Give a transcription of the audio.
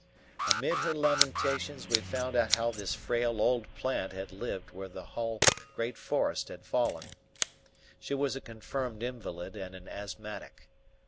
Amid her lamentations we found out how this frail old plant had lived where the whole great forest had fallen. She was a confirmed invalid and an asthmatic.